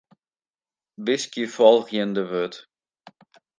Wiskje folgjende wurd.